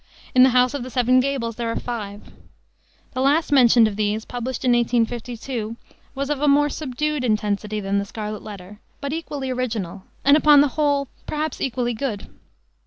In the House of the Seven Gables there are five. The last mentioned of these, published in 1852, was of a more subdued intensity than the Scarlet Letter, but equally original and, upon the whole, perhaps equally good.